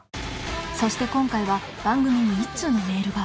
そして今回は番組に一通のメールが